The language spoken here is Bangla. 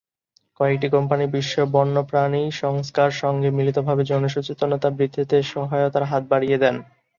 কয়েকটি কোম্পানী বিশ্ব বন্যপ্রাণী সংস্থার সঙ্গে মিলিতভাবে জনসচেতনতা বৃদ্ধিতে সহায়তার হাত বাড়িয়ে দেন।